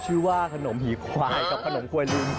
ชื่อว่าขนมผีควายกับขนมกวนลุง